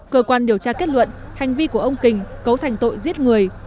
cơ quan điều tra kết luận hành vi của ông kình cấu thành tội giết người